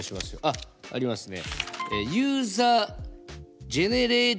あっありますね。